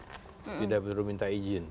tidak perlu minta izin